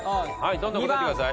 どんどん答えてください。